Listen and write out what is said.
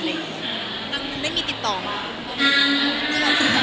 เอ็นดูได้มีติดต่อละ